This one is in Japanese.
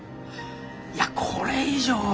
いやこれ以上は。